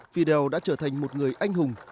fidel đã trở thành một người anh hùng